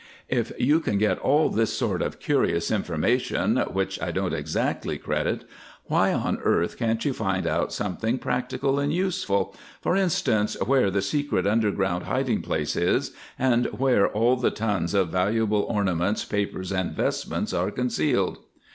"If you can get all this sort of curious information, which I don't exactly credit, why on earth can't you find out something practical and useful, for instance, where the secret underground hiding place is, and where all the tons of valuable ornaments, papers, and vestments are concealed?"